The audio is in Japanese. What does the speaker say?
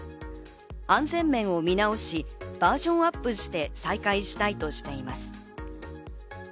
安全面を見直し、バージョンアップして再開したいとしています。